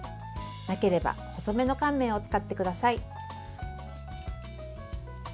なければ細めの乾麺を使ってください。